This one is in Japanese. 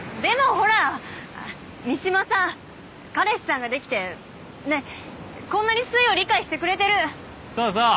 ほら三島さん彼氏さんができてねっこんなにすいを理解してくれてるそうそう